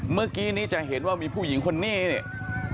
เมื่อกี้นี้จะเห็นว่ามีผู้หญิงคนนี้เนี่ย